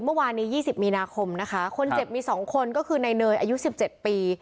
เมื่อวานนี้ยี่สิบมีนาคมนะคะคนเจ็บมีสองคนก็คือในเนยอายุสิบเจ็บปี